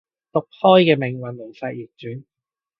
毒開嘅命運無法逆轉